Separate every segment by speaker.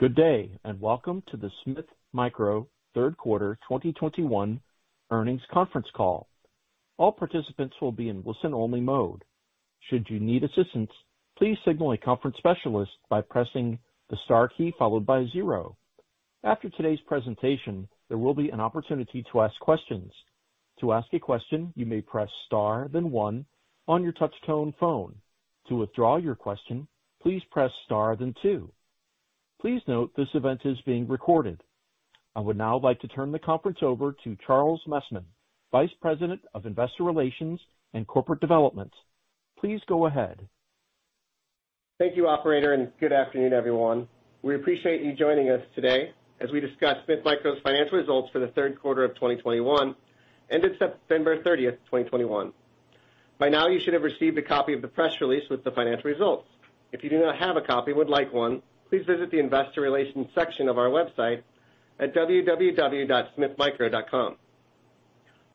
Speaker 1: Good day, and welcome to the Smith Micro third quarter 2021 earnings conference call. All participants will be in listen-only mode. Should you need assistance, please signal a conference specialist by pressing the star key followed by zero. After today's presentation, there will be an opportunity to ask questions. To ask a question, you may press star, then one on your touchtone phone. To withdraw your question, please press star, then two. Please note this event is being recorded. I would now like to turn the conference over to Charles Messman, Vice President of Investor Relations and Corporate Development. Please go ahead.
Speaker 2: Thank you, operator, and good afternoon, everyone. We appreciate you joining us today as we discuss Smith Micro's financial results for the third quarter of 2021, ended September 30, 2021. By now, you should have received a copy of the press release with the financial results. If you do not have a copy and would like one, please visit the investor relations section of our website at www.smithmicro.com.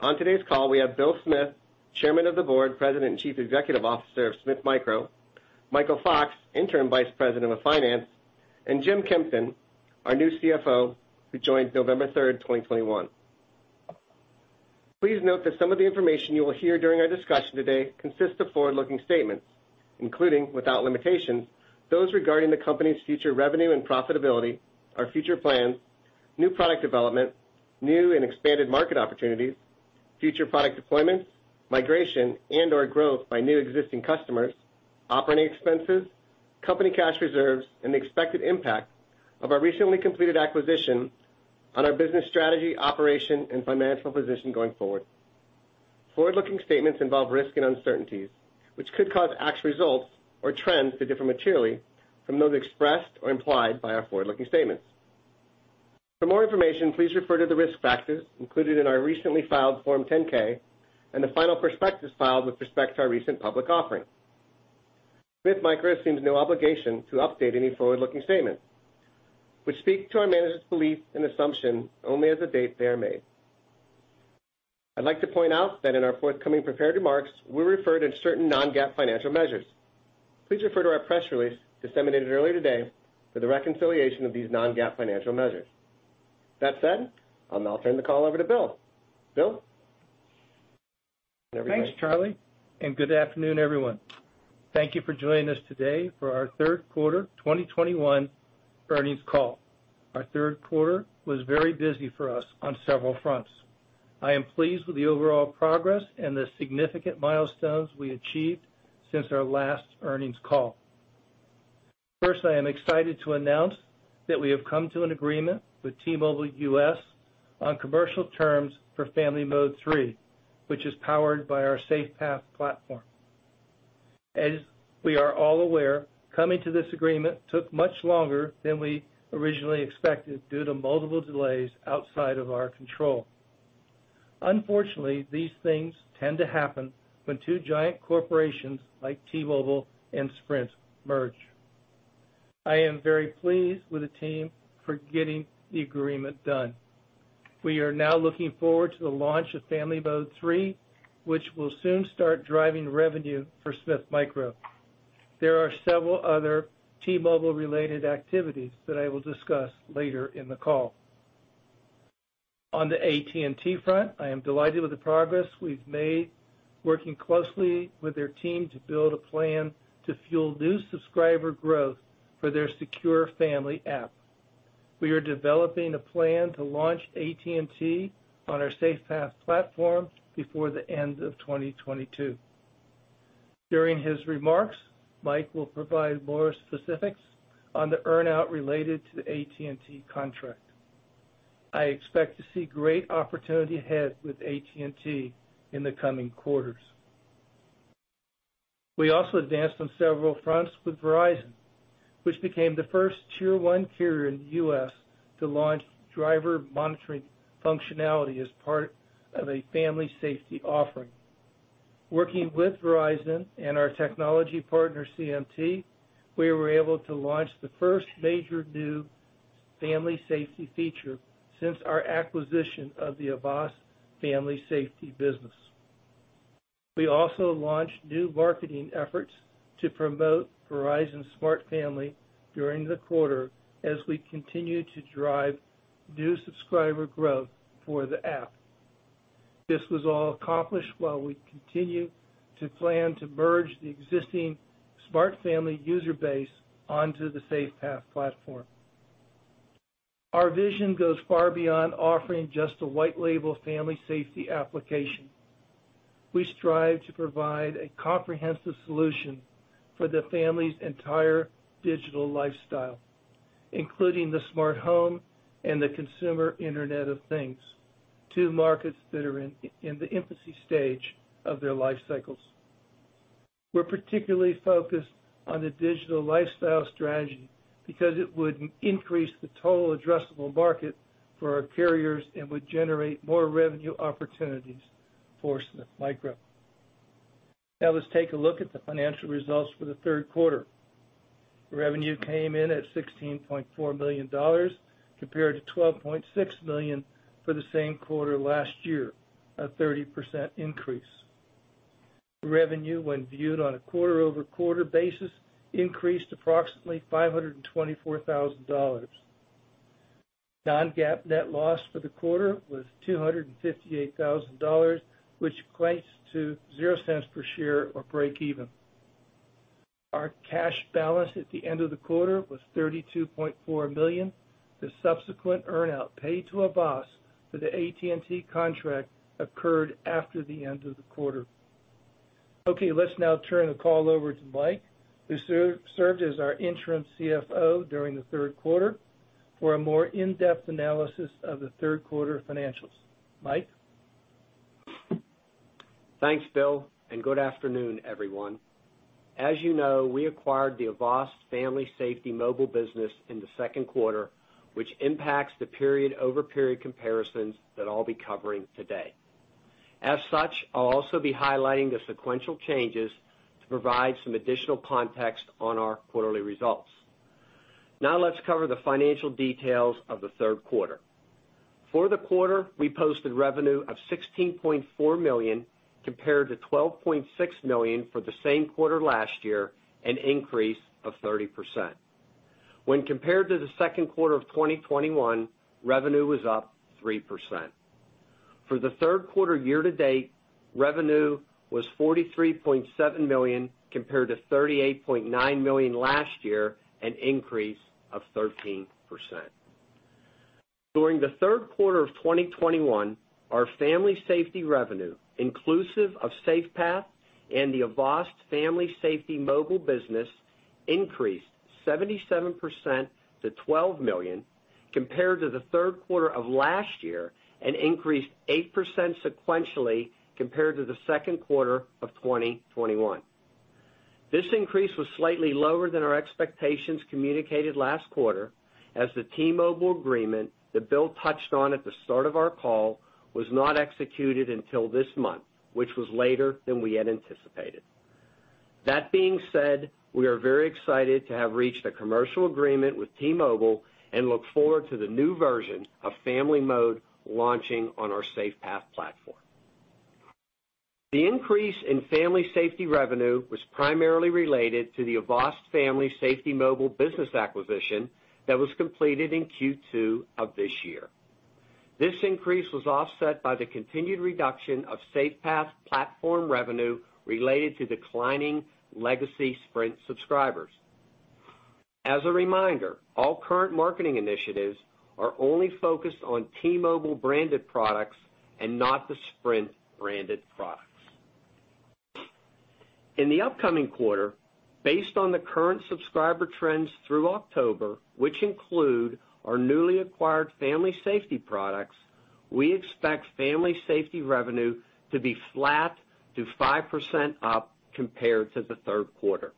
Speaker 2: On today's call, we have Bill Smith, Chairman of the Board, President, and Chief Executive Officer of Smith Micro, Michael Fox, Interim Vice President of Finance, and Jim Kempton, our new CFO, who joined November 3, 2021. Please note that some of the information you will hear during our discussion today consists of forward-looking statements, including, without limitation, those regarding the company's future revenue and profitability, our future plans, new product development, new and expanded market opportunities, future product deployments, migration, and/or growth by new existing customers, operating expenses, company cash reserves, and the expected impact of our recently completed acquisition on our business strategy, operation, and financial position going forward. Forward-looking statements involve risk and uncertainties, which could cause actual results or trends to differ materially from those expressed or implied by our forward-looking statements. For more information, please refer to the risk factors included in our recently filed Form 10-K and the final prospectus filed with respect to our recent public offering. Smith Micro assumes no obligation to update any forward-looking statements, which speak only to our management's beliefs and assumptions as of the date they are made. I'd like to point out that in our forthcoming prepared remarks, we refer to certain non-GAAP financial measures. Please refer to our press release disseminated earlier today for the reconciliation of these non-GAAP financial measures. That said, I'll now turn the call over to Bill. Bill?
Speaker 3: Thanks, Charlie, and good afternoon, everyone. Thank you for joining us today for our third quarter 2021 earnings call. Our third quarter was very busy for us on several fronts. I am pleased with the overall progress and the significant milestones we achieved since our last earnings call. First, I am excited to announce that we have come to an agreement with T-Mobile US on commercial terms for FamilyMode 3, which is powered by our SafePath platform. As we are all aware, coming to this agreement took much longer than we originally expected due to multiple delays outside of our control. Unfortunately, these things tend to happen when two giant corporations like T-Mobile and Sprint merge. I am very pleased with the team for getting the agreement done. We are now looking forward to the launch of FamilyMode 3, which will soon start driving revenue for Smith Micro. There are several other T-Mobile-related activities that I will discuss later in the call. On the AT&T front, I am delighted with the progress we've made working closely with their team to build a plan to fuel new subscriber growth for their Secure Family app. We are developing a plan to launch AT&T on our SafePath platform before the end of 2022. During his remarks, Mike will provide more specifics on the earn-out related to the AT&T contract. I expect to see great opportunity ahead with AT&T in the coming quarters. We also advanced on several fronts with Verizon, which became the first tier-one carrier in the U.S. to launch driver monitoring functionality as part of a family safety offering. Working with Verizon and our technology partner, CMT, we were able to launch the first major new family safety feature since our acquisition of the Avast family safety business. We also launched new marketing efforts to promote Verizon Smart Family during the quarter as we continue to drive new subscriber growth for the app. This was all accomplished while we continue to plan to merge the existing Smart Family user base onto the SafePath platform. Our vision goes far beyond offering just a white label family safety application. We strive to provide a comprehensive solution for the family's entire digital lifestyle, including the smart home and the consumer Internet of Things, two markets that are in the infancy stage of their life cycles. We're particularly focused on the digital lifestyle strategy because it would increase the total addressable market for our carriers and would generate more revenue opportunities for Smith Micro. Now let's take a look at the financial results for the third quarter. Revenue came in at $16.4 million, compared to $12.6 million for the same quarter last year, a 30% increase. Revenue when viewed on a quarter-over-quarter basis increased approximately $524,000. Non-GAAP net loss for the quarter was $258,000, which equates to 0 cents per share or breakeven. Our cash balance at the end of the quarter was $32.4 million. The subsequent earnout paid to Avast for the AT&T contract occurred after the end of the quarter. Okay, let's now turn the call over to Mike, who served as our Interim CFO during the third quarter, for a more in-depth analysis of the third quarter financials. Mike?
Speaker 4: Thanks, Bill, and good afternoon, everyone. As you know, we acquired the Avast Family Safety Mobile Business in the second quarter, which impacts the period-over-period comparisons that I'll be covering today. As such, I'll also be highlighting the sequential changes to provide some additional context on our quarterly results. Now let's cover the financial details of the third quarter. For the quarter, we posted revenue of $16.4 million compared to $12.6 million for the same quarter last year, an increase of 30%. When compared to the second quarter of 2021, revenue was up 3%. For the third quarter year to date, revenue was $43.7 million compared to $38.9 million last year, an increase of 13%. During the third quarter of 2021, our Family Safety revenue, inclusive of SafePath and the Avast Family Safety mobile business, increased 77% to $12 million compared to the third quarter of last year and increased 8% sequentially compared to the second quarter of 2021. This increase was slightly lower than our expectations communicated last quarter as the T-Mobile agreement that Bill touched on at the start of our call was not executed until this month, which was later than we had anticipated. That being said, we are very excited to have reached a commercial agreement with T-Mobile and look forward to the new version of FamilyMode launching on our SafePath platform. The increase in Family Safety revenue was primarily related to the Avast Family Safety mobile business acquisition that was completed in Q2 of this year. This increase was offset by the continued reduction of SafePath platform revenue related to declining legacy Sprint subscribers. As a reminder, all current marketing initiatives are only focused on T-Mobile branded products and not the Sprint branded products. In the upcoming quarter, based on the current subscriber trends through October, which include our newly acquired Family Safety products, we expect Family Safety revenue to be flat to 5% up compared to the third quarter.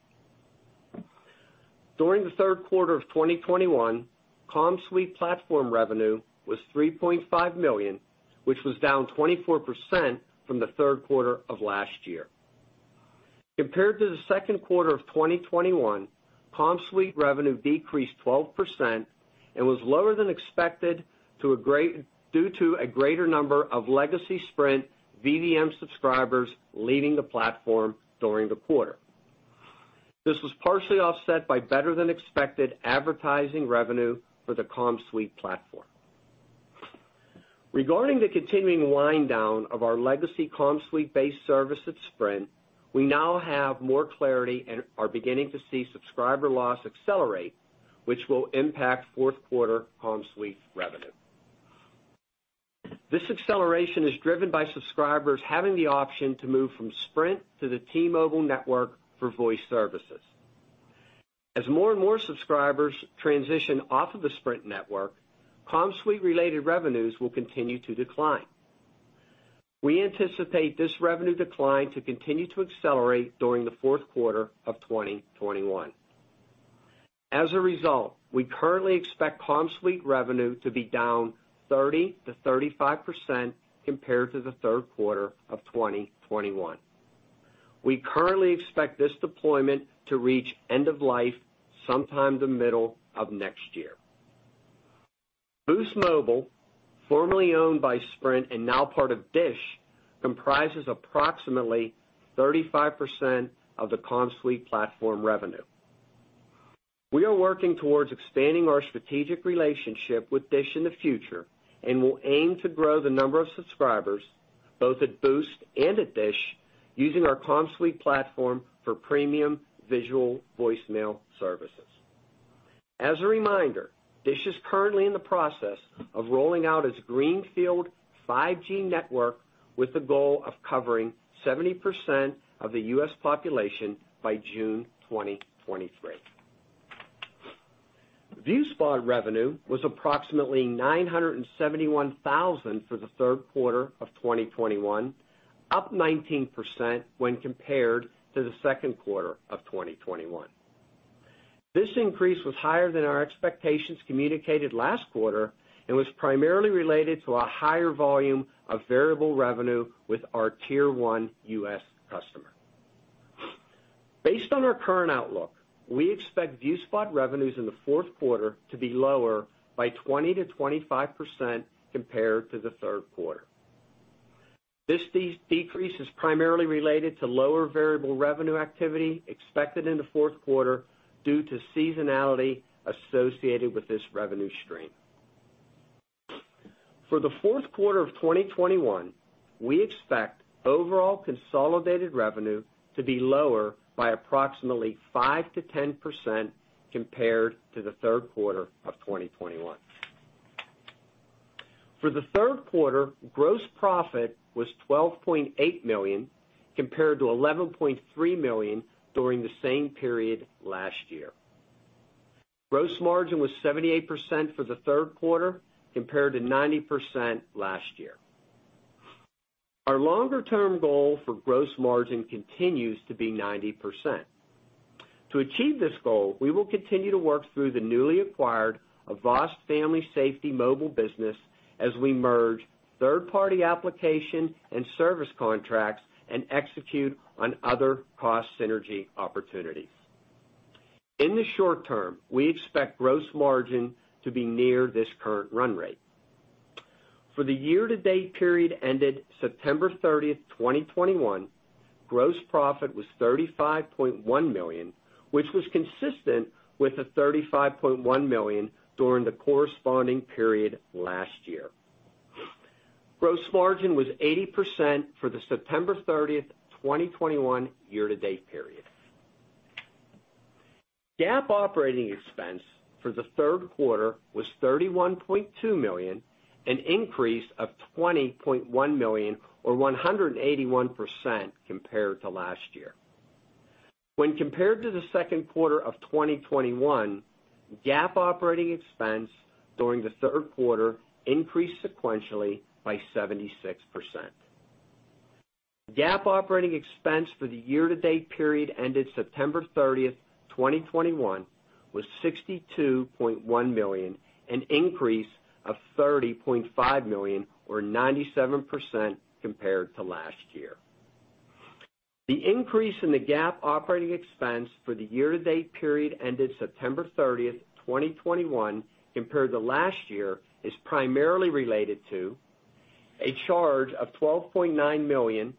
Speaker 4: During the third quarter of 2021, CommSuite platform revenue was $3.5 million, which was down 24% from the third quarter of last year. Compared to the second quarter of 2021, CommSuite revenue decreased 12% and was lower than expected due to a greater number of legacy Sprint VDM subscribers leaving the platform during the quarter. This was partially offset by better than expected advertising revenue for the CommSuite platform. Regarding the continuing wind down of our legacy CommSuite-based service at Sprint, we now have more clarity and are beginning to see subscriber loss accelerate, which will impact fourth quarter CommSuite revenue. This acceleration is driven by subscribers having the option to move from Sprint to the T-Mobile network for voice services. As more and more subscribers transition off of the Sprint network, CommSuite-related revenues will continue to decline. We anticipate this revenue decline to continue to accelerate during the fourth quarter of 2021. As a result, we currently expect CommSuite revenue to be down 30%-35% compared to the third quarter of 2021. We currently expect this deployment to reach end of life sometime the middle of next year. Boost Mobile, formerly owned by Sprint and now part of DISH, comprises approximately 35% of the CommSuite platform revenue. We are working towards expanding our strategic relationship with DISH in the future and will aim to grow the number of subscribers, both at Boost and at DISH, using our CommSuite platform for premium visual voicemail services. As a reminder, DISH is currently in the process of rolling out its greenfield 5G network with the goal of covering 70% of the U.S. population by June 2023. ViewSpot revenue was approximately $971,000 for the third quarter of 2021, up 19% when compared to the second quarter of 2021. This increase was higher than our expectations communicated last quarter and was primarily related to a higher volume of variable revenue with our tier-one U.S. customer. Based on our current outlook, we expect ViewSpot revenues in the fourth quarter to be lower by 20%-25% compared to the third quarter. This decrease is primarily related to lower variable revenue activity expected in the fourth quarter due to seasonality associated with this revenue stream. For the fourth quarter of 2021, we expect overall consolidated revenue to be lower by approximately 5%-10% compared to the third quarter of 2021. For the third quarter, gross profit was $12.8 million, compared to $11.3 million during the same period last year. Gross margin was 78% for the third quarter, compared to 90% last year. Our longer-term goal for gross margin continues to be 90%. To achieve this goal, we will continue to work through the newly acquired Avast Family Safety mobile business as we merge third-party application and service contracts and execute on other cost synergy opportunities. In the short term, we expect gross margin to be near this current run rate. For the year-to-date period ended September 30, 2021, gross profit was $35.1 million, which was consistent with the $35.1 million during the corresponding period last year. Gross margin was 80% for the September 30, 2021 year-to-date period. GAAP operating expense for the third quarter was $31.2 million, an increase of $20.1 million or 181% compared to last year. When compared to the second quarter of 2021, GAAP operating expense during the third quarter increased sequentially by 76%. GAAP operating expense for the year-to-date period ended September 30, 2021 was $62.1 million, an increase of $30.5 million or 97% compared to last year. The increase in the GAAP operating expense for the year-to-date period ended September 30, 2021 compared to last year is primarily related to a charge of $12.9 million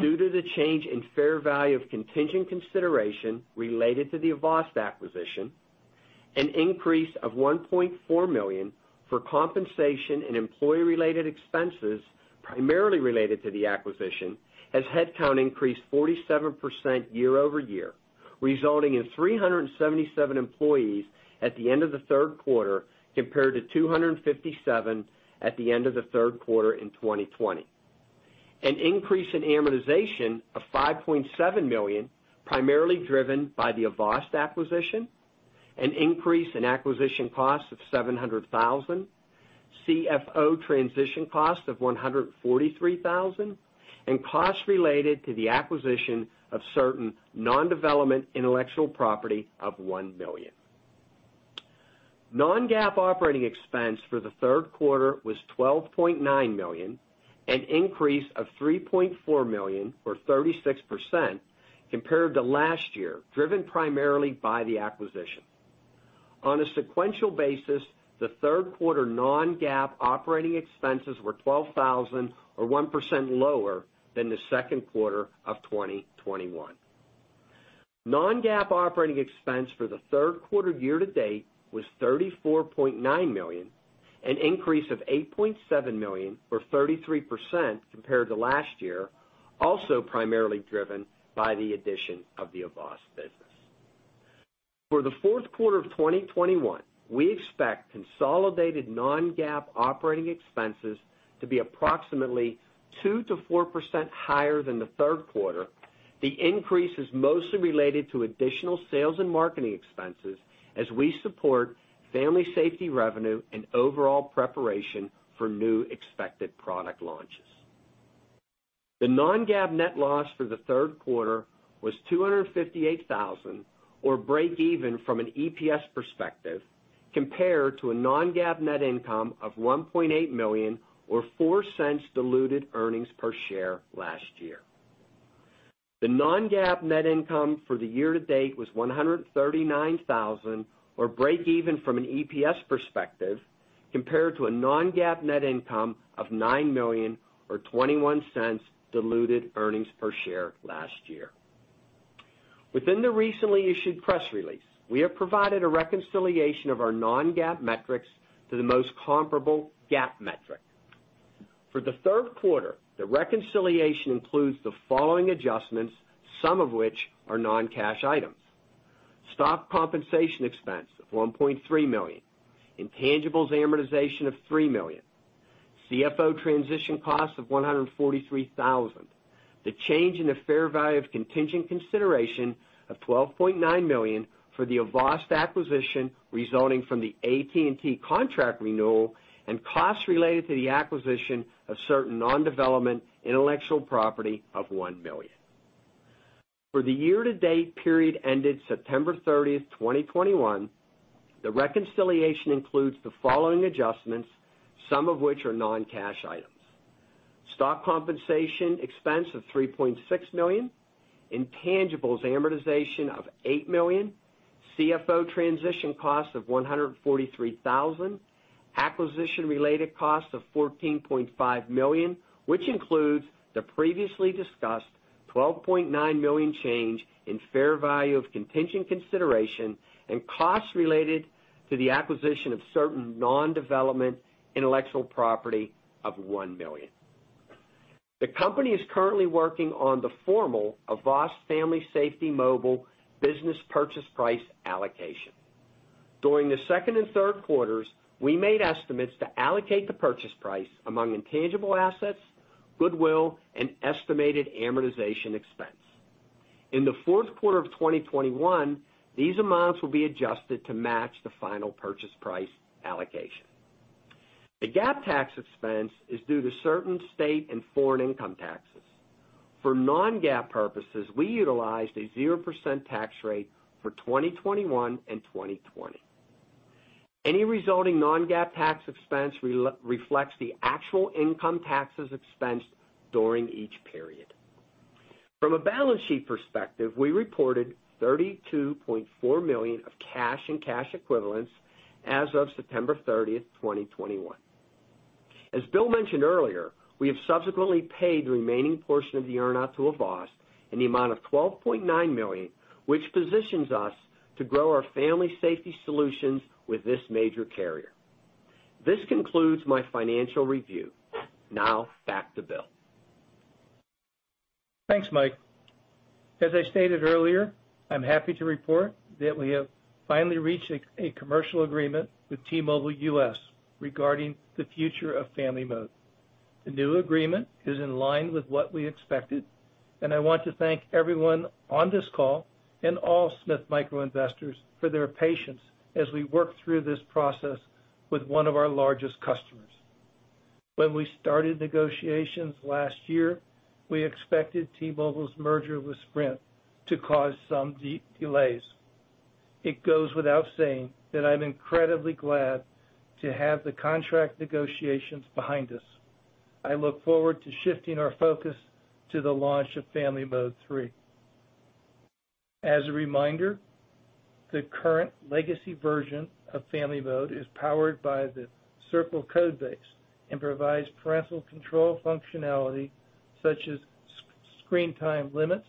Speaker 4: due to the change in fair value of contingent consideration related to the Avast acquisition, an increase of $1.4 million for compensation and employee-related expenses primarily related to the acquisition as headcount increased 47% year-over-year, resulting in 377 employees at the end of the third quarter compared to 257 at the end of the third quarter in 2020. An increase in amortization of $5.7 million, primarily driven by the Avast acquisition. An increase in acquisition costs of $700,000, CFO transition cost of $143,000, and costs related to the acquisition of certain non-development intellectual property of $1 million. non-GAAP operating expense for the third quarter was $12.9 million, an increase of $3.4 million or 36% compared to last year, driven primarily by the acquisition. On a sequential basis, the third quarter non-GAAP operating expenses were $12,000 or 1% lower than the second quarter of 2021. non-GAAP operating expense for the third quarter year to date was $34.9 million, an increase of $8.7 million or 33% compared to last year, also primarily driven by the addition of the Avast business. For the fourth quarter of 2021, we expect consolidated non-GAAP operating expenses to be approximately 2%-4% higher than the third quarter. The increase is mostly related to additional sales and marketing expenses as we support family safety revenue and overall preparation for new expected product launches. The non-GAAP net loss for the third quarter was $258,000 or breakeven from an EPS perspective, compared to a non-GAAP net income of $1.8 million or $0.04 diluted earnings per share last year. The non-GAAP net income for the year to date was $139,000 or breakeven from an EPS perspective, compared to a non-GAAP net income of $9 million or $0.21 diluted earnings per share last year. Within the recently issued press release, we have provided a reconciliation of our non-GAAP metrics to the most comparable GAAP metric. For the third quarter, the reconciliation includes the following adjustments, some of which are non-cash items. Stock compensation expense of $1.3 million, intangibles amortization of $3 million, CFO transition costs of $143,000. The change in the fair value of contingent consideration of $12.9 million for the Avast acquisition resulting from the AT&T contract renewal and costs related to the acquisition of certain non-development intellectual property of $1 million. For the year-to-date period ended September 30, 2021. The reconciliation includes the following adjustments, some of which are non-cash items. Stock compensation expense of $3.6 million, intangibles amortization of $8 million, CFO transition cost of $143,000, acquisition-related costs of $14.5 million, which includes the previously discussed $12.9 million change in fair value of contingent consideration and costs related to the acquisition of certain non-development intellectual property of $1 million. The company is currently working on the formal Avast Family Safety Mobile Business purchase price allocation. During the second and third quarters, we made estimates to allocate the purchase price among intangible assets, goodwill, and estimated amortization expense. In the fourth quarter of 2021, these amounts will be adjusted to match the final purchase price allocation. The GAAP tax expense is due to certain state and foreign income taxes. For non-GAAP purposes, we utilized a 0% tax rate for 2021 and 2020. Any resulting non-GAAP tax expense reflects the actual income taxes expensed during each period. From a balance sheet perspective, we reported $32.4 million of cash and cash equivalents as of September 30, 2021. As Bill mentioned earlier, we have subsequently paid the remaining portion of the earn-out to Avast in the amount of $12.9 million, which positions us to grow our Family Safety Solutions with this major carrier. This concludes my financial review. Now back to Bill.
Speaker 3: Thanks, Mike. As I stated earlier, I'm happy to report that we have finally reached a commercial agreement with T-Mobile US regarding the future of FamilyMode. The new agreement is in line with what we expected, and I want to thank everyone on this call and all Smith Micro investors for their patience as we work through this process with one of our largest customers. When we started negotiations last year, we expected T-Mobile's merger with Sprint to cause some delays. It goes without saying that I'm incredibly glad to have the contract negotiations behind us. I look forward to shifting our focus to the launch of FamilyMode 3. As a reminder, the current legacy version of FamilyMode is powered by the Circle code base and provides parental control functionality such as screen time limits,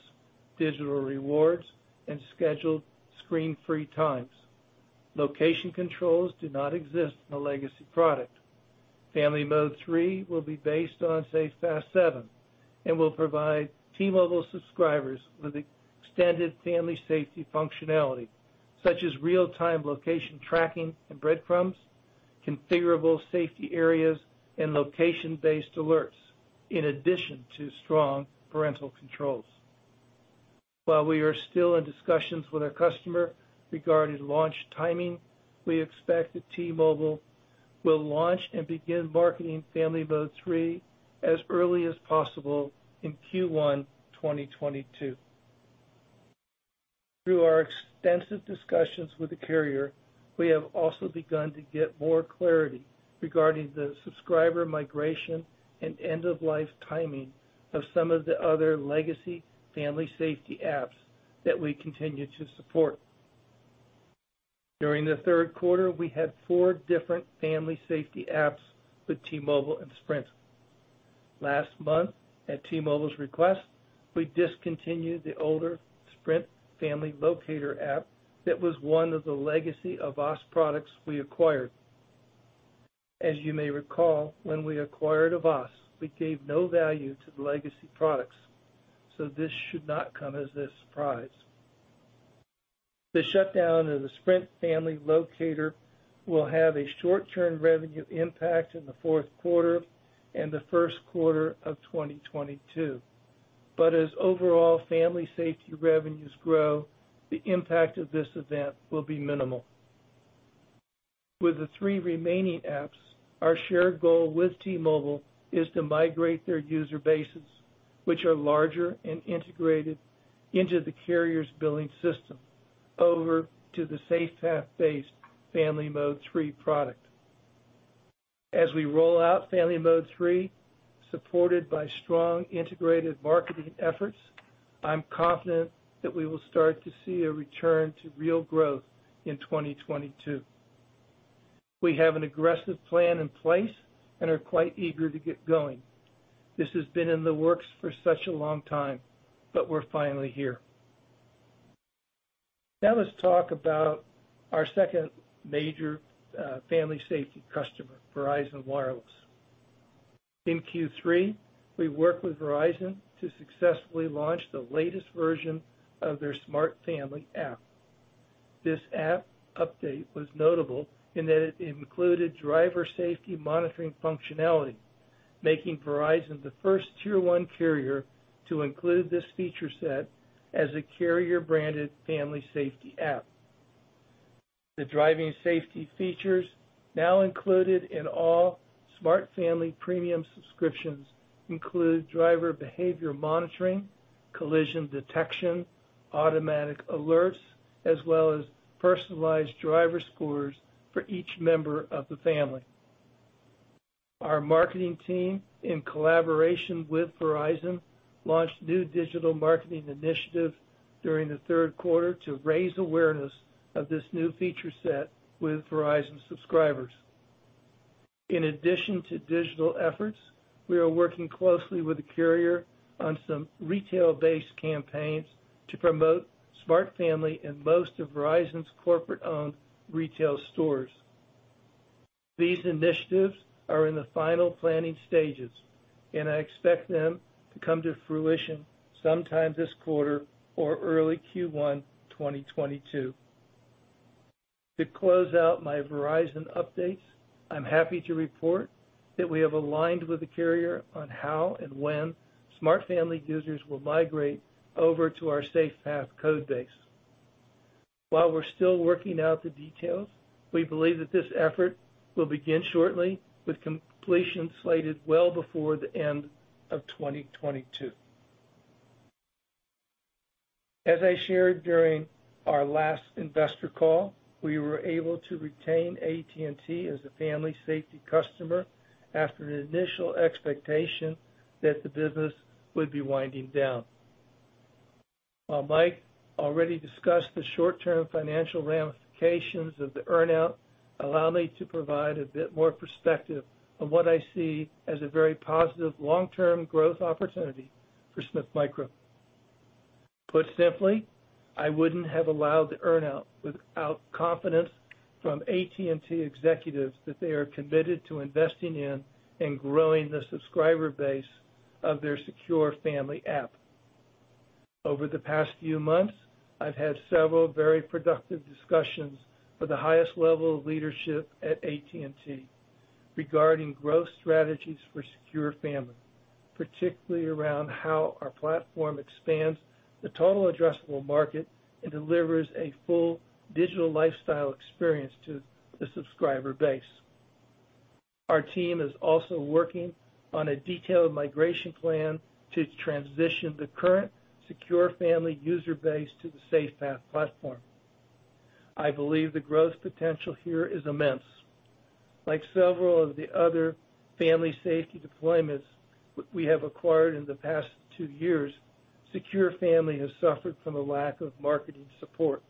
Speaker 3: digital rewards, and scheduled screen-free times. Location controls do not exist in the legacy product. FamilyMode 3 will be based on SafePath 7 and will provide T-Mobile subscribers with extended family safety functionality such as real-time location tracking and breadcrumbs, configurable safety areas, and location-based alerts in addition to strong parental controls. While we are still in discussions with our customer regarding launch timing, we expect that T-Mobile will launch and begin marketing FamilyMode 3 as early as possible in Q1 2022. Through our extensive discussions with the carrier, we have also begun to get more clarity regarding the subscriber migration and end-of-life timing of some of the other legacy family safety apps that we continue to support. During the third quarter, we had four different family safety apps with T-Mobile and Sprint. Last month, at T-Mobile's request, we discontinued the older Sprint Family Locator app that was one of the legacy Avast products we acquired. As you may recall, when we acquired Avast, we gave no value to the legacy products, so this should not come as a surprise. The shutdown of the Sprint Family Locator will have a short-term revenue impact in the fourth quarter and the first quarter of 2022. As overall family safety revenues grow, the impact of this event will be minimal. With the three remaining apps, our shared goal with T-Mobile is to migrate their user bases, which are larger and integrated into the carrier's billing system over to the SafePath-based FamilyMode 3 product. As we roll out FamilyMode 3, supported by strong integrated marketing efforts, I'm confident that we will start to see a return to real growth in 2022. We have an aggressive plan in place and are quite eager to get going. This has been in the works for such a long time, but we're finally here. Now let's talk about our second major family safety customer, Verizon Wireless. In Q3, we worked with Verizon to successfully launch the latest version of their Smart Family app. This app update was notable in that it included driver safety monitoring functionality, making Verizon the first tier one carrier to include this feature set as a carrier-branded family safety app. The driving safety features now included in all Smart Family premium subscriptions include driver behavior monitoring, collision detection, automatic alerts, as well as personalized driver scores for each member of the family. Our marketing team, in collaboration with Verizon, launched new digital marketing initiatives during the third quarter to raise awareness of this new feature set with Verizon subscribers. In addition to digital efforts, we are working closely with the carrier on some retail-based campaigns to promote Smart Family in most of Verizon's corporate-owned retail stores. These initiatives are in the final planning stages, and I expect them to come to fruition sometime this quarter or early Q1 2022. To close out my Verizon updates, I'm happy to report that we have aligned with the carrier on how and when Smart Family users will migrate over to our SafePath code base. While we're still working out the details, we believe that this effort will begin shortly, with completion slated well before the end of 2022. As I shared during our last investor call, we were able to retain AT&T as a family safety customer after the initial expectation that the business would be winding down. While Mike already discussed the short-term financial ramifications of the earn-out, allow me to provide a bit more perspective on what I see as a very positive long-term growth opportunity for Smith Micro. Put simply, I wouldn't have allowed the earn-out without confidence from AT&T executives that they are committed to investing in and growing the subscriber base of their Secure Family app. Over the past few months, I've had several very productive discussions with the highest level of leadership at AT&T regarding growth strategies for Secure Family, particularly around how our platform expands the total addressable market and delivers a full digital lifestyle experience to the subscriber base. Our team is also working on a detailed migration plan to transition the current Secure Family user base to the SafePath platform. I believe the growth potential here is immense. Like several of the other family safety deployments we have acquired in the past two years, Secure Family has suffered from a lack of marketing support.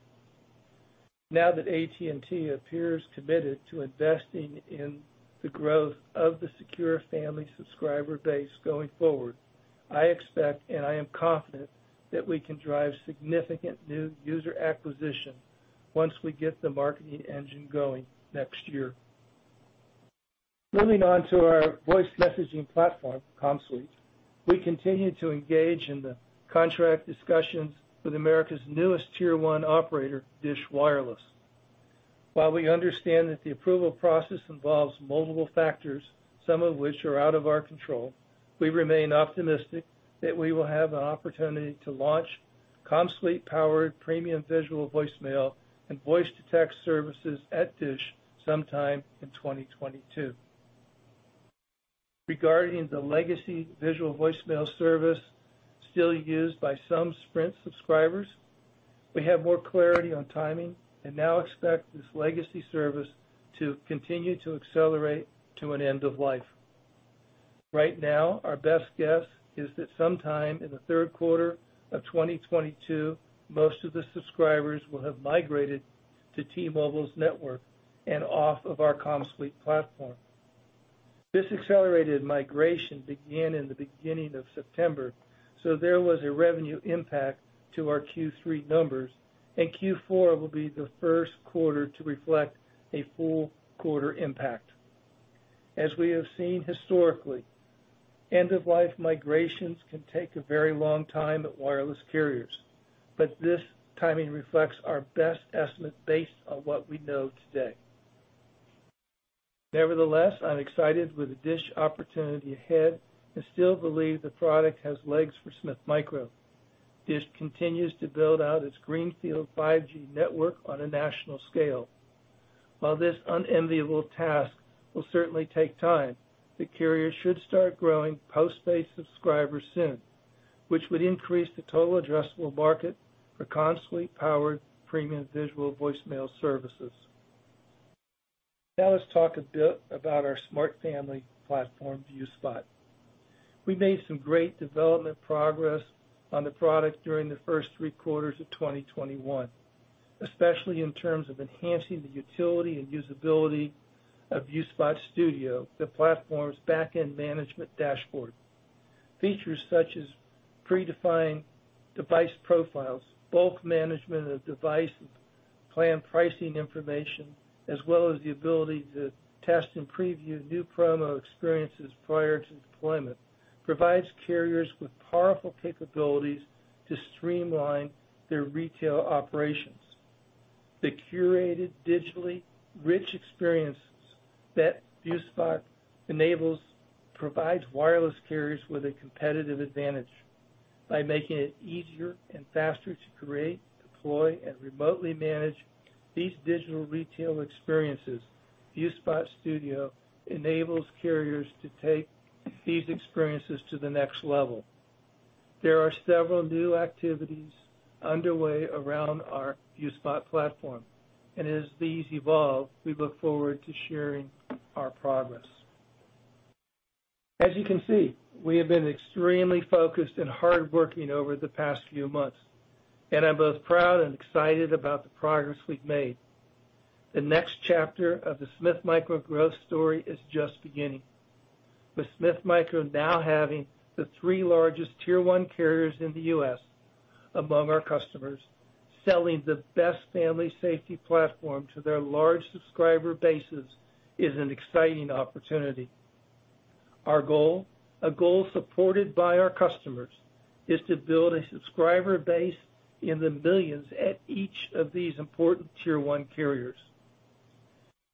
Speaker 3: Now that AT&T appears committed to investing in the growth of the Secure Family subscriber base going forward, I expect and I am confident that we can drive significant new user acquisition once we get the marketing engine going next year. Moving on to our voice messaging platform, CommSuite, we continue to engage in the contract discussions with America's newest tier-one operator, DISH Wireless. While we understand that the approval process involves multiple factors, some of which are out of our control, we remain optimistic that we will have an opportunity to launch CommSuite-powered premium visual voicemail and voice-to-text services at DISH sometime in 2022. Regarding the legacy visual voicemail service still used by some Sprint subscribers, we have more clarity on timing and now expect this legacy service to continue to accelerate to an end of life. Right now, our best guess is that sometime in the third quarter of 2022, most of the subscribers will have migrated to T-Mobile's network and off of our CommSuite platform. This accelerated migration began in the beginning of September, so there was a revenue impact to our Q3 numbers, and Q4 will be the first quarter to reflect a full quarter impact. As we have seen historically, end-of-life migrations can take a very long time at wireless carriers, but this timing reflects our best estimate based on what we know today. Nevertheless, I'm excited with the DISH opportunity ahead and still believe the product has legs for Smith Micro. DISH continues to build out its greenfield 5G network on a national scale. While this unenviable task will certainly take time, the carrier should start growing post-paid subscribers soon, which would increase the total addressable market for CommSuite-powered premium visual voicemail services. Now let's talk a bit about our Smart Family platform, ViewSpot. We made some great development progress on the product during the first three quarters of 2021, especially in terms of enhancing the utility and usability of ViewSpot Studio, the platform's back-end management dashboard. Features such as predefined device profiles, bulk management of devices, plan pricing information, as well as the ability to test and preview new promo experiences prior to deployment, provides carriers with powerful capabilities to streamline their retail operations. The curated digitally rich experiences that ViewSpot enables provides wireless carriers with a competitive advantage. By making it easier and faster to create, deploy, and remotely manage these digital retail experiences, ViewSpot Studio enables carriers to take these experiences to the next level. There are several new activities underway around our ViewSpot platform, and as these evolve, we look forward to sharing our progress. As you can see, we have been extremely focused and hardworking over the past few months, and I'm both proud and excited about the progress we've made. The next chapter of the Smith Micro growth story is just beginning. With Smith Micro now having the three largest tier-one carriers in the U.S. among our customers, selling the best family safety platform to their large subscriber bases is an exciting opportunity. Our goal, a goal supported by our customers, is to build a subscriber base in the millions at each of these important tier one carriers.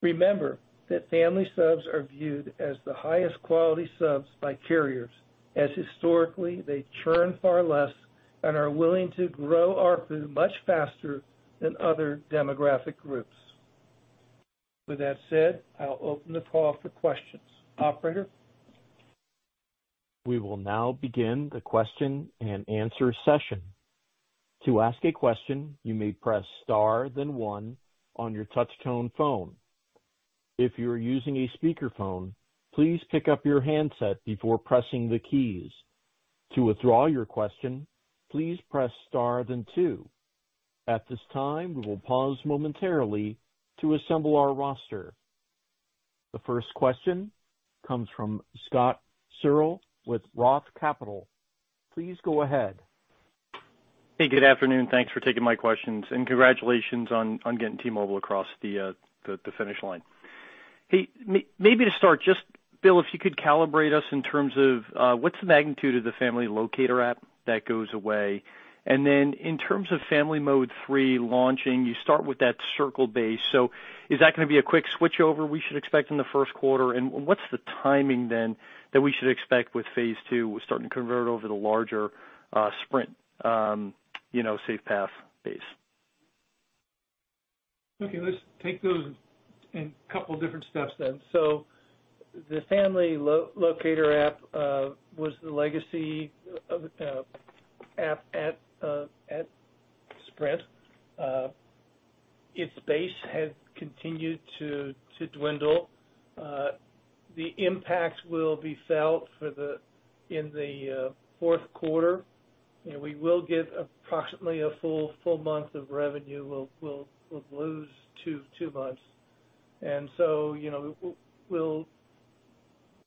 Speaker 3: Remember that family subs are viewed as the highest quality subs by carriers, as historically, they churn far less and are willing to grow ARPU much faster than other demographic groups. With that said, I'll open the call for questions. Operator?
Speaker 1: We will now begin the question and answer session. To ask a question, you may press star then one on your touch tone phone. If you're using a speaker phone, please pick up your handset before pressing the keys. To withdraw your question, please press star then two. At this time, we will pause momentarily to assemble our roster. The first question comes from Scott Searle with Roth Capital. Please go ahead.
Speaker 5: Hey, good afternoon. Thanks for taking my questions and congratulations on getting T-Mobile across the finish line. Hey, maybe to start, just, Bill, if you could calibrate us in terms of what's the magnitude of the family locator app that goes away? Then in terms of FamilyMode 3 launching, you start with that Circle base. Is that gonna be a quick switchover we should expect in the first quarter? What's the timing then that we should expect with phase two, starting to convert over to larger Sprint you know SafePath base?
Speaker 3: Okay, let's take those in a couple different steps then. The family locator app was the legacy app at Sprint. Its base has continued to dwindle. The impact will be felt in the fourth quarter. You know, we will give approximately a full month of revenue. We'll lose two months. You know,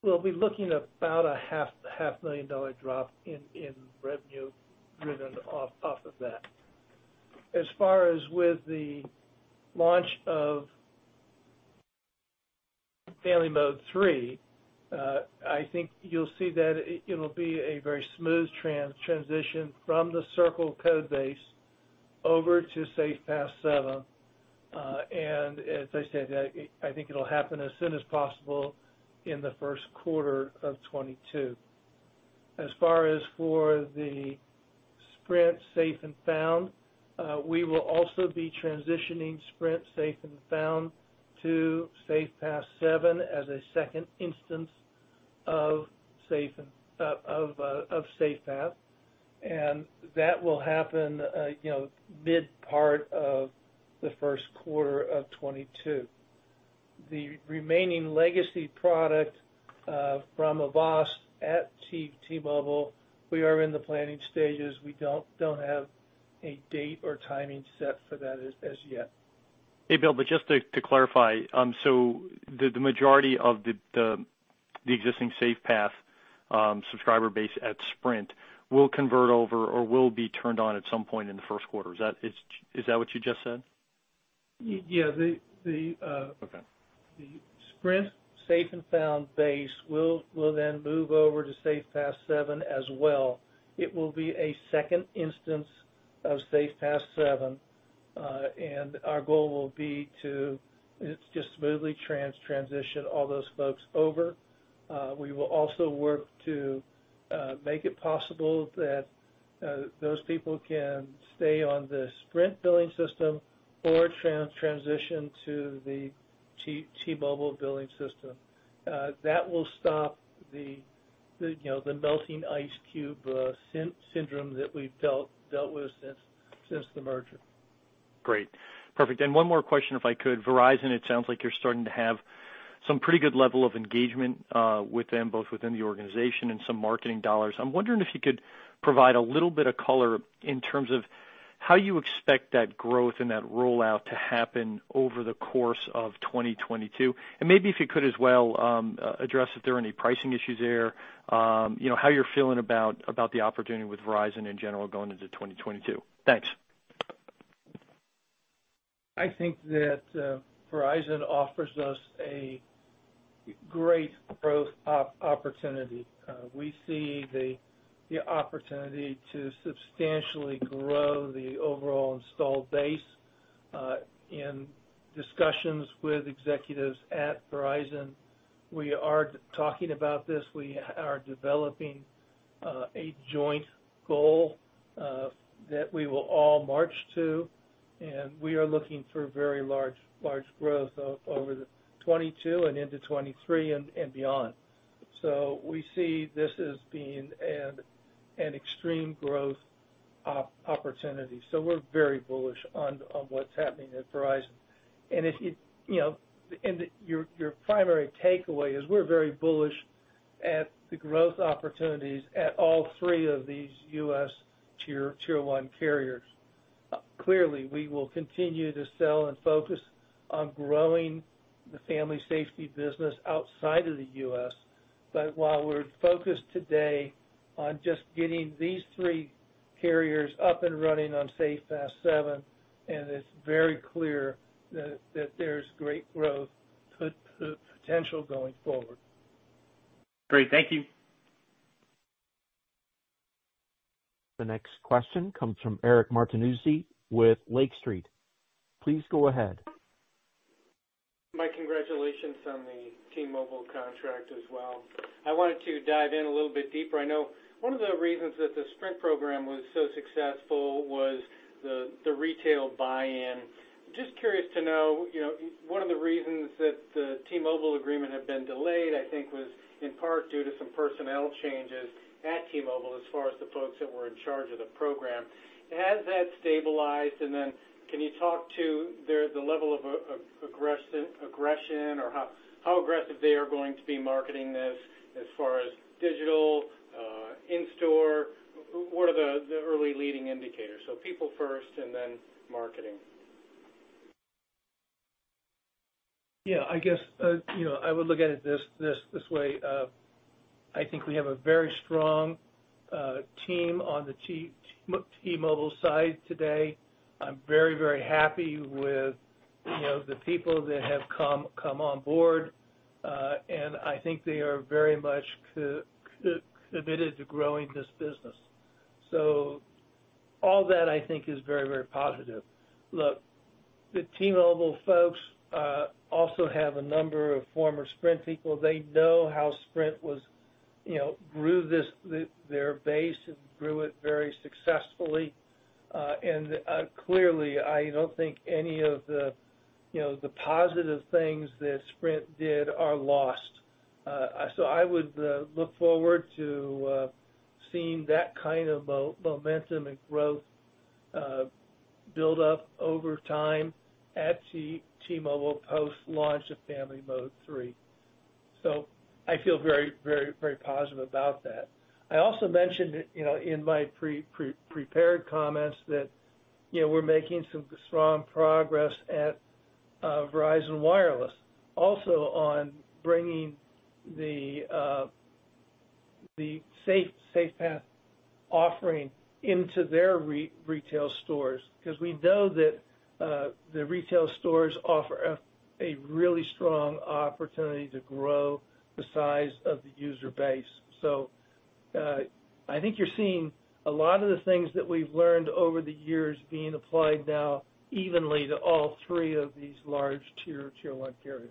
Speaker 3: we'll be looking at about a half million dollar drop in revenue driven off of that. As far as with the launch of FamilyMode 3, I think you'll see that it'll be a very smooth transition from the Circle code base over to SafePath 7. And as I said, I think it'll happen as soon as possible in the first quarter of 2022. As far as for the Sprint Safe & Found, we will also be transitioning Sprint Safe & Found to SafePath 7 as a second instance of SafePath, and that will happen, you know, mid-part of the first quarter of 2022. The remaining legacy product from Avast at T-Mobile, we are in the planning stages. We don't have a date or timing set for that as yet.
Speaker 5: Hey, Bill. Just to clarify, the majority of the existing SafePath subscriber base at Sprint will convert over or will be turned on at some point in the first quarter. Is that what you just said?
Speaker 3: Yeah.
Speaker 5: Okay.
Speaker 3: The Sprint Safe & Found base will then move over to SafePath 7 as well. It will be a second instance of SafePath 7, and our goal will be to just smoothly transition all those folks over. We will also work to make it possible that those people can stay on the Sprint billing system or transition to the T-Mobile billing system. That will stop the you know, the melting ice cube syndrome that we've dealt with since the merger.
Speaker 5: Great. Perfect. One more question if I could. Verizon, it sounds like you're starting to have some pretty good level of engagement with them, both within the organization and some marketing dollars. I'm wondering if you could provide a little bit of color in terms of how you expect that growth and that rollout to happen over the course of 2022. Maybe if you could as well address if there are any pricing issues there, you know, how you're feeling about the opportunity with Verizon in general going into 2022. Thanks.
Speaker 3: I think that Verizon offers us a great growth opportunity. We see the opportunity to substantially grow the overall installed base. In discussions with executives at Verizon, we are talking about this. We are developing a joint goal that we will all march to, and we are looking for very large growth over 2022 and into 2023 and beyond. We see this as being an extreme growth opportunity. We're very bullish on what's happening at Verizon. You know, your primary takeaway is we're very bullish on the growth opportunities at all three of these U.S. tier one carriers. Clearly, we will continue to sell and focus on growing the Family Safety business outside of the U.S. While we're focused today on just getting these three carriers up and running on SafePath 7, and it's very clear that there's great growth potential going forward.
Speaker 5: Great. Thank you.
Speaker 1: The next question comes from Eric Martinuzzi with Lake Street. Please go ahead.
Speaker 6: Mike, congratulations on the T-Mobile contract as well. I wanted to dive in a little bit deeper. I know one of the reasons that the Sprint program was so successful was the retail buy-in. Just curious to know, you know, one of the reasons that the T-Mobile agreement had been delayed, I think, was in part due to some personnel changes at T-Mobile as far as the folks that were in charge of the program. Has that stabilized? And then can you talk to the level of aggression or how aggressive they are going to be marketing this as far as digital, in-store, what are the early leading indicators? People first and then marketing.
Speaker 3: Yeah, I guess, you know, I would look at it this way. I think we have a very strong team on the T-Mobile side today. I'm very, very happy with, you know, the people that have come on board. I think they are very much committed to growing this business. All that I think is very, very positive. Look, the T-Mobile folks also have a number of former Sprint people. They know how Sprint grew their base and grew it very successfully. Clearly, I don't think any of the, you know, the positive things that Sprint did are lost. I would look forward to seeing that kind of momentum and growth build up over time at T-Mobile post-launch of FamilyMode 3. I feel very positive about that. I also mentioned, you know, in my prepared comments that, you know, we're making some strong progress at Verizon Wireless also on bringing the SafePath offering into their retail stores because we know that the retail stores offer a really strong opportunity to grow the size of the user base. I think you're seeing a lot of the things that we've learned over the years being applied now evenly to all three of these large tier one carriers.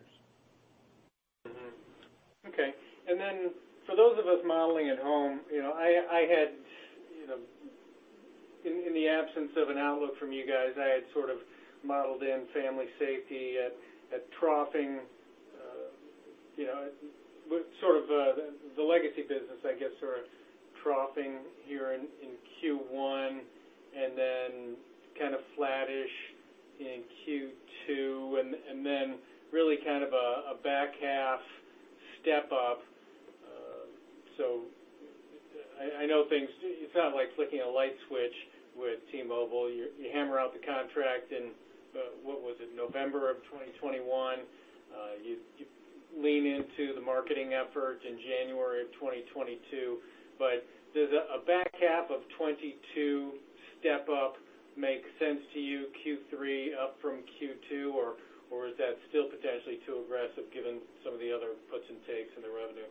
Speaker 6: For those of us modeling at home, you know, I had you know, in the absence of an outlook from you guys, I had sort of modeled in Family Safety at troughing, you know, sort of the legacy business, I guess, sort of troughing here in Q1 and then kind of flattish in Q2 and then really kind of a back half step up. I know things. It is not like flicking a light switch with T-Mobile. You hammer out the contract in what was it? November 2021. You lean into the marketing efforts in January 2022. Does a back half of 2022 step up make sense to you, Q3 up from Q2, or is that still potentially too aggressive given some of the other puts and takes in the revenue?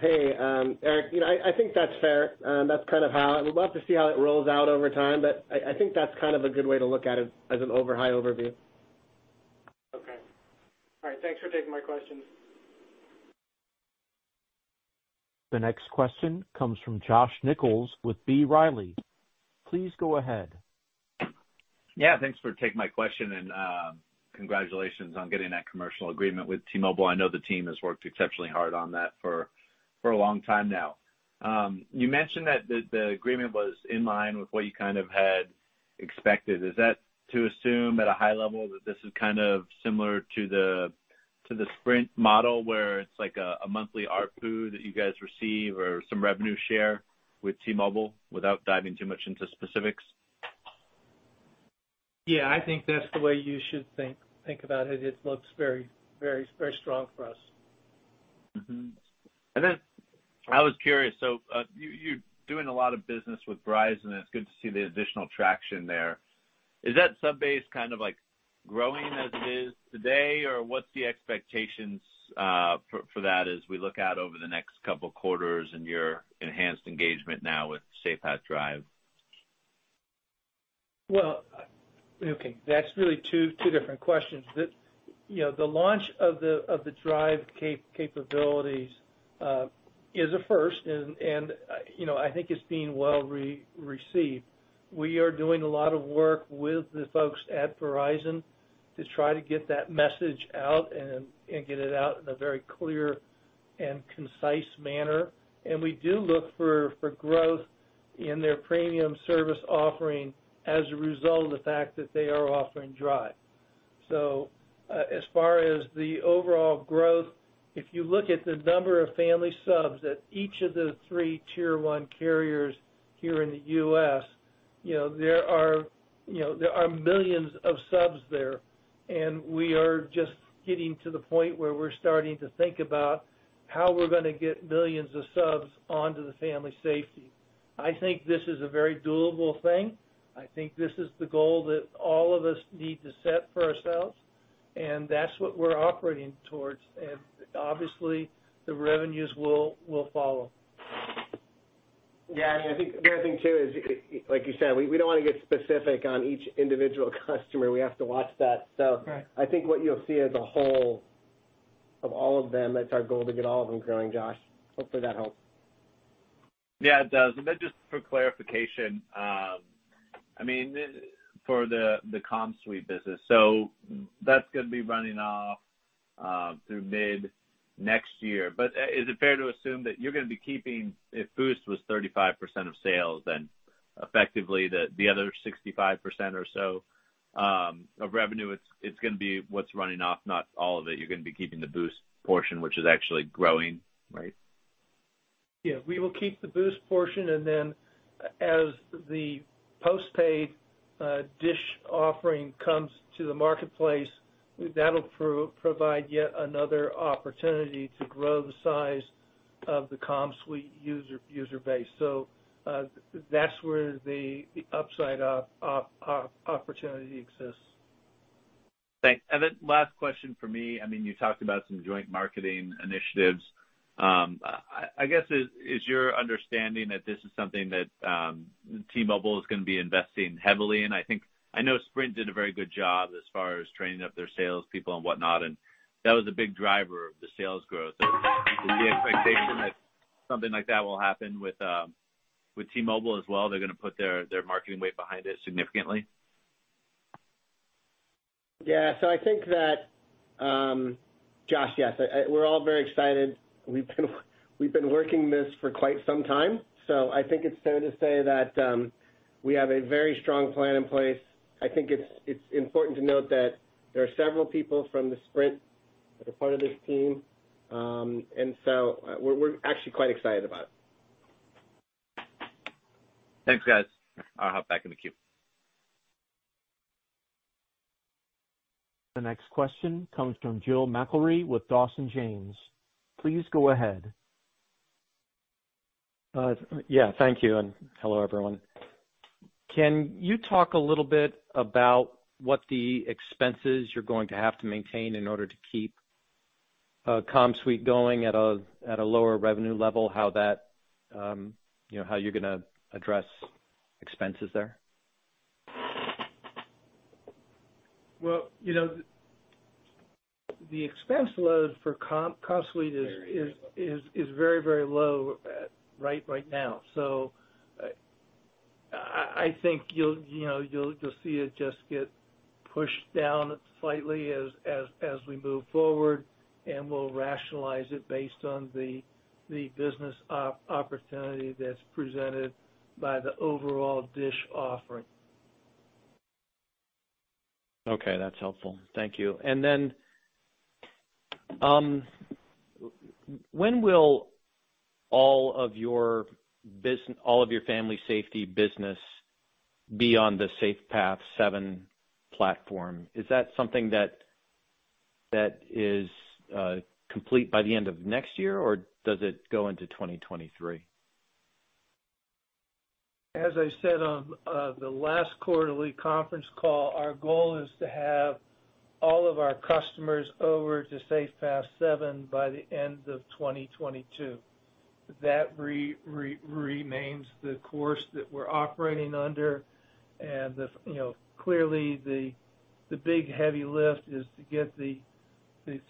Speaker 2: Hey, Eric, you know, I think that's fair. We'd love to see how it rolls out over time, but I think that's kind of a good way to look at it as an overview.
Speaker 6: Okay. All right. Thanks for taking my questions.
Speaker 1: The next question comes from Josh Nichols with B. Riley. Please go ahead.
Speaker 7: Yeah, thanks for taking my question, and congratulations on getting that commercial agreement with T-Mobile. I know the team has worked exceptionally hard on that for a long time now. You mentioned that the agreement was in line with what you kind of had expected. Is that to assume at a high level that this is kind of similar to the Sprint model, where it's like a monthly ARPU that you guys receive or some revenue share with T-Mobile without diving too much into specifics?
Speaker 3: Yeah, I think that's the way you should think about it. It looks very strong for us.
Speaker 7: Mm-hmm. I was curious, so you're doing a lot of business with Verizon, and it's good to see the additional traction there. Is that subscriber base kind of like growing as it is today, or what's the expectations for that as we look out over the next couple quarters and your enhanced engagement now with SafePath Drive?
Speaker 3: Well, okay, that's really two different questions. You know, the launch of the Drive capabilities is a first and, you know, I think it's being well received. We are doing a lot of work with the folks at Verizon to try to get that message out and get it out in a very clear and concise manner. We do look for growth in their premium service offering as a result of the fact that they are offering Drive. As far as the overall growth, if you look at the number of family subs at each of the three tier one carriers here in the U.S., you know, there are millions of subs there, and we are just getting to the point where we're starting to think about how we're gonna get millions of subs onto the Family Safety. I think this is a very doable thing. I think this is the goal that all of us need to set for ourselves, and that's what we're operating towards. Obviously, the revenues will follow.
Speaker 2: Yeah. I mean, I think the other thing too is, like you said, we don't wanna get specific on each individual customer. We have to watch that.
Speaker 3: Right.
Speaker 2: I think what you'll see as a whole of all of them, that's our goal, to get all of them growing, Josh. Hopefully, that helps.
Speaker 7: Yeah, it does. Then just for clarification, I mean, for the CommSuite business. That's gonna be running off through mid next year. Is it fair to assume that you're gonna be keeping, if Boost was 35% of sales, then effectively the other 65% or so of revenue, it's gonna be what's running off, not all of it. You're gonna be keeping the Boost portion, which is actually growing, right?
Speaker 3: Yeah. We will keep the Boost portion, and then as the postpaid DISH offering comes to the marketplace, that'll provide yet another opportunity to grow the size of the CommSuite user base. That's where the upside opportunity exists.
Speaker 7: Thanks. Last question for me, I mean, you talked about some joint marketing initiatives. I guess is your understanding that this is something that T-Mobile is gonna be investing heavily in? I think I know Sprint did a very good job as far as training up their sales people and whatnot, and that was a big driver of the sales growth. Is the expectation that something like that will happen with T-Mobile as well, they're gonna put their marketing weight behind it significantly?
Speaker 2: Yeah. I think that, Josh, yes, we're all very excited. We've been working this for quite some time, so I think it's fair to say that we have a very strong plan in place. I think it's important to note that there are several people from Sprint that are part of this team, and so we're actually quite excited about it.
Speaker 7: Thanks, guys. I'll hop back in the queue.
Speaker 1: The next question comes from Jim McIlree with Dawson James. Please go ahead.
Speaker 8: Thank you, and hello, everyone. Can you talk a little bit about what the expenses you're going to have to maintain in order to keep CommSuite going at a lower revenue level, how you're gonna address expenses there?
Speaker 3: Well, you know, the expense load for CommSuite is very low right now. I think you'll, you know, you'll see it just get pushed down slightly as we move forward, and we'll rationalize it based on the business opportunity that's presented by the overall DISH offering.
Speaker 8: Okay, that's helpful. Thank you. When will all of your Family Safety business be on the SafePath 7 platform? Is that something that is complete by the end of next year, or does it go into 2023?
Speaker 3: As I said on the last quarterly conference call, our goal is to have all of our customers over to SafePath 7 by the end of 2022. That remains the course that we're operating under. Clearly, the big heavy lift is to get the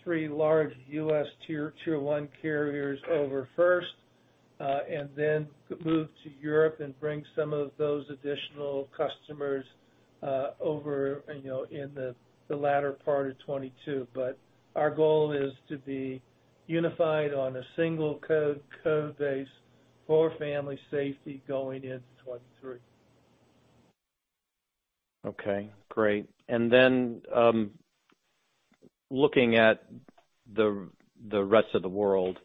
Speaker 3: three large U.S. tier one carriers over first, and then move to Europe and bring some of those additional customers over in the latter part of 2022. Our goal is to be unified on a single code base for Family Safety going into 2023.
Speaker 8: Okay, great. Looking at the rest of the world,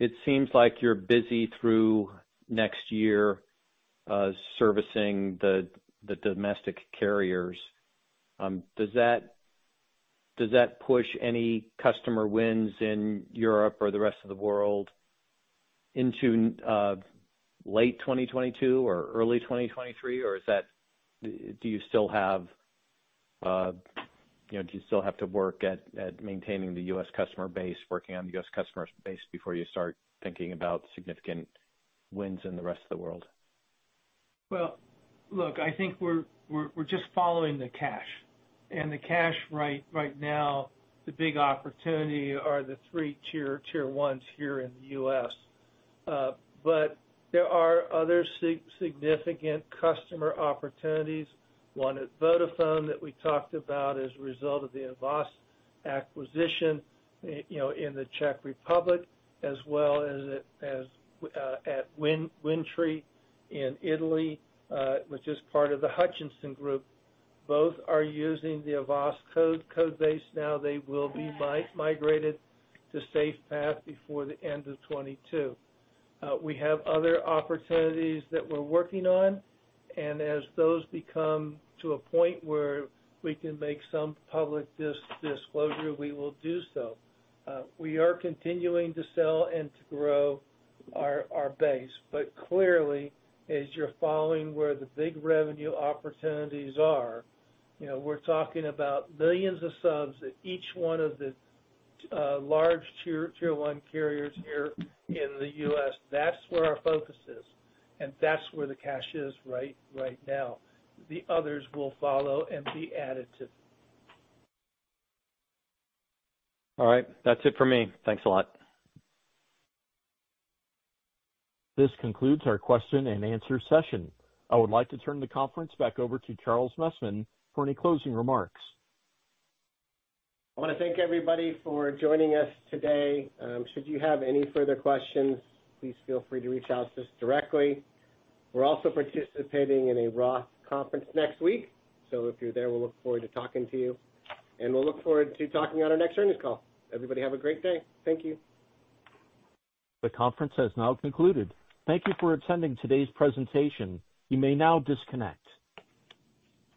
Speaker 8: it seems like you're busy through next year servicing the domestic carriers. Does that push any customer wins in Europe or the rest of the world into late 2022 or early 2023? Or do you still have, you know, to work at maintaining the U.S. customer base, working on the U.S. customer base before you start thinking about significant wins in the rest of the world?
Speaker 3: Well, look, I think we're just following the cash. The cash right now, the big opportunity are the three tier ones here in the U.S. But there are other significant customer opportunities, one at Vodafone that we talked about as a result of the Avast acquisition, you know, in the Czech Republic, as well as at Wind Tre in Italy, which is part of the Hutchison Group. Both are using the Avast code base now. They will be migrated to SafePath before the end of 2022. We have other opportunities that we're working on, and as those become to a point where we can make some public disclosure, we will do so. We are continuing to sell and to grow our base. Clearly, as you're following where the big revenue opportunities are, you know, we're talking about millions of subs at each one of the large tier one carriers here in the U.S. That's where our focus is, and that's where the cash is right now. The others will follow and be added to.
Speaker 8: All right. That's it for me. Thanks a lot.
Speaker 1: This concludes our question-and-answer session. I would like to turn the conference back over to Charles Messman for any closing remarks.
Speaker 2: I wanna thank everybody for joining us today. Should you have any further questions, please feel free to reach out to us directly. We're also participating in a Roth conference next week, so if you're there, we'll look forward to talking to you. We'll look forward to talking on our next earnings call. Everybody, have a great day. Thank you.
Speaker 1: The conference has now concluded. Thank you for attending today's presentation. You may now disconnect.